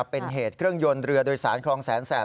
เป็นเหตุเครื่องยนต์เรือโดยสารคลองแสนแสบ